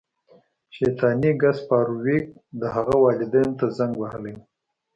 شیطاني ګس فارویک د هغه والدینو ته زنګ وهلی و